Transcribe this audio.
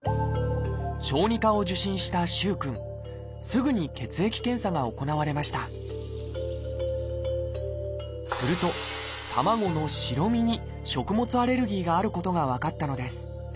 すぐに血液検査が行われましたすると卵の白身に食物アレルギーがあることが分かったのです。